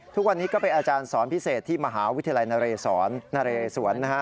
ทุกวันนี้ก็ไปอาจารย์สอนพิเศษที่มหาวิทยาลัยนเรสวน